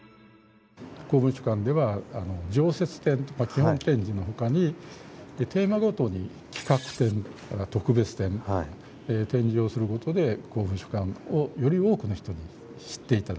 公文書館では常設展と基本展示のほかにテーマごとに企画展特別展展示をすることで公文書館をより多くの人に知って頂く見て頂くような機会を作ると。